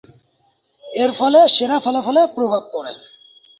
এরফলে সেরা ফলাফলে প্রভাব পড়ে।